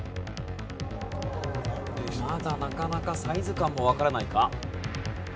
まだなかなかサイズ感もわからないか？